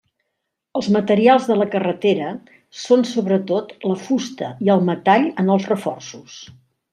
Els materials de la carrereta són sobretot la fusta i el metall en els reforços.